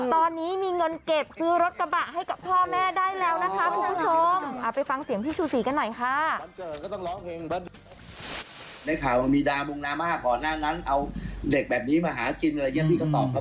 ตอนนี้มีเงินเก็บซื้อรถกระบะให้กับพ่อแม่ได้แล้วนะคะคุณผู้ชม